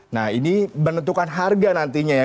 nah ini menentukan harga nantinya ya